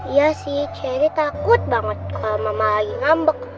iya sih cherry takut banget kalau mama lagi ngambek